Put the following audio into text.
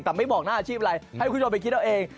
แต่ไม่บอกหน้าอาชีพอะไรให้คุณผู้ชมไปคิดเอาเอง